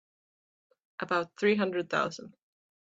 About three hundred thousand.